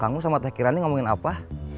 kamu sama teh kirani ngomongin apa